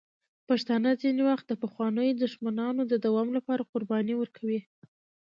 پښتانه ځینې وخت د پخوانیو دښمنیو د دوام لپاره قربانۍ ورکوي.